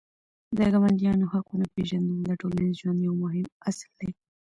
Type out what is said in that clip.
د ګاونډیانو حقونه پېژندل د ټولنیز ژوند یو مهم اصل دی.